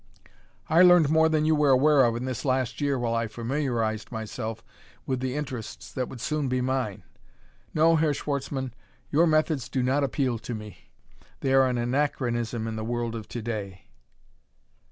"I learned more than you were aware of in this last year while I familiarized myself with the interests that would soon be mine. No, Herr Schwartzmann, your methods do not appeal to me; they are an anachronism in the world of to day."